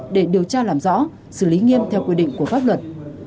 để điều tra làm rõ xử lý nghiêm theo quy định của pháp luật